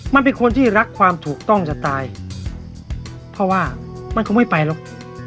มันเป็นคนที่รักความถูกต้องจะตายเพราะว่ามันคงไม่ไปหรอก